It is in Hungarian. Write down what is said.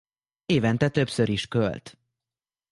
Évente többször is költ.